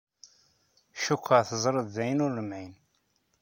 Cukkeɣ teẓriḍ d ayen ur nemɛin.